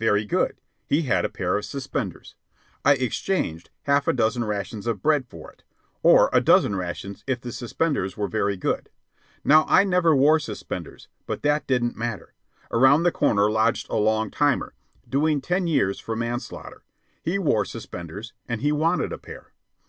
Very good; he had a pair of suspenders. I exchanged half a dozen rations of bread for it or a dozen rations if the suspenders were very good. Now I never wore suspenders, but that didn't matter. Around the corner lodged a long timer, doing ten years for manslaughter. He wore suspenders, and he wanted a pair.